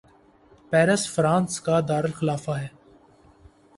Paris France کا دارلخلافہ ہے